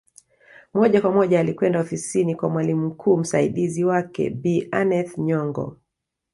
Moja kwa moja alikwenda ofisini kwa mwalimu mkuu msaidizi wake Bi Aneth Nyongo